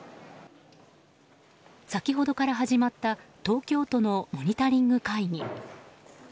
先ほどから始まった東京都のモニタリング会議。